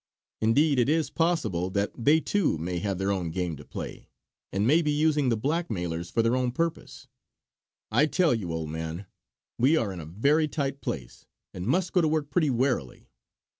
Indeed, it is possible that they too may have their own game to play, and may be using the blackmailers for their own purpose. I tell you, old man, we are in a very tight place, and must go to work pretty warily.